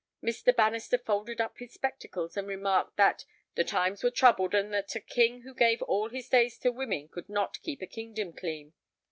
Mr. Bannister folded up his spectacles and remarked that "the times were troubled, and that a king who gave all his days to women could not keep a kingdom clean."